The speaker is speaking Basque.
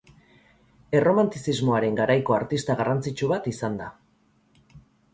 Erromantizismoaren garaiko artista garrantzitsu bat izan da.